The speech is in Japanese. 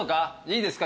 いいですか？